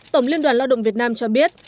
tổng liên đoàn lao động việt nam cho biết